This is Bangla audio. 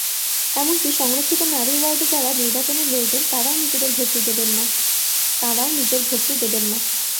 এমনকি সংরক্ষিত নারী ওয়ার্ডে যাঁরা নির্বাচনে লড়বেন, তাঁরাও নিজের ভোটটি দেবেন না।